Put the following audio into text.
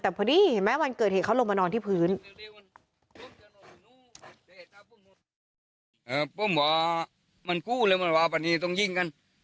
แต่พอดีเห็นไหมวันเกิดเหตุเขาลงมานอนที่พื้น